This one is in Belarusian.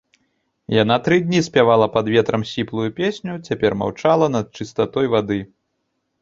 Яна тры дні спявала пад ветрам сіплую песню, цяпер маўчала над чыстатой вады.